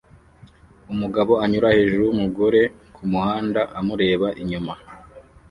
Umugabo anyura hejuru yumugore kumuhanda amureba inyuma